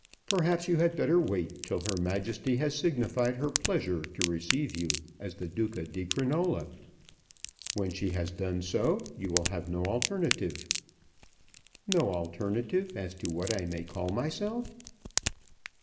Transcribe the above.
Perhaps you had better wait till Her Majesty has signified her pleasure to receive you as the Duca di Crinola. When she has done so you will have no alternative." "No alternative as to what I may call myself?"